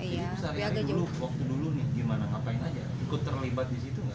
pengolahan emas jadi sehari hari dulu waktu dulu nih gimana ngapain aja ikut terlibat disitu nggak